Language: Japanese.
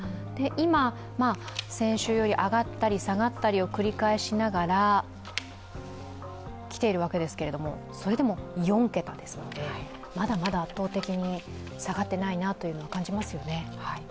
今、先週より上がったり下がったりを繰り返しながらきているわけですけれどもそれでも４桁ですのでまだまだ圧倒的に下がっていないなというのは感じますよね。